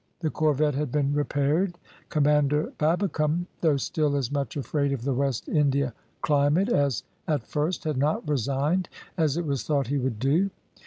The corvette had been repaired. Commander Babbicome, though still as much afraid of the West India climate as at first, had not resigned, as it was thought he would do.